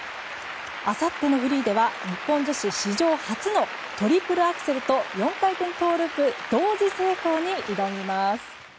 あさってのフリーでは日本女子史上初のトリプルアクセルと４回転トウループ同時成功に挑みます。